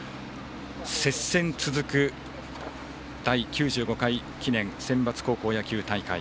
接戦続く第９５回センバツ高等学校野球大会。